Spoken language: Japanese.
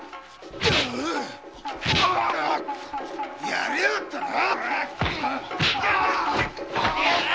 やりやがったな！